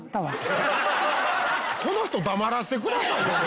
この人黙らせてくださいよ。